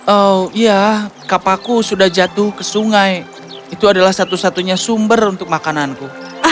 oh iya kapaku sudah jatuh ke sungai itu adalah satu satunya sumber untuk makananku